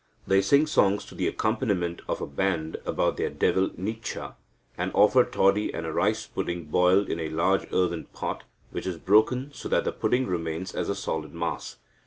They sing songs to the accompaniment of a band about their devil Nicha, and offer toddy and a rice pudding boiled in a large earthen pot, which is broken so that the pudding remains as a solid mass.